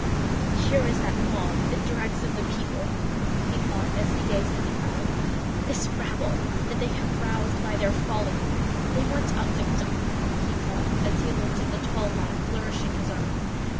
"Here is that mob, the dregs of the people," he thought as he gazed at the crowd: "this rabble they have roused by their folly! They want a victim," he thought as he looked at the tall lad flourishing his arm.